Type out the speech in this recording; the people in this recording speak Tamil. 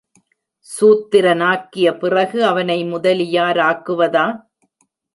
சூத்திரனாக்கிய பிறகு, அவனை முதலியாராக்குவதா?